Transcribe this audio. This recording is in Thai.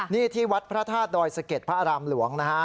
นี่ที่วัดพระธาตุดอยเสก็จพระอารามหลวง